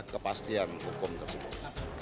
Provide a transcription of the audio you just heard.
kepastian hukum tersebut